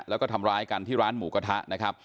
แล้วก็ทำร้ายกันที่ร้านหมูกระทะนะครับ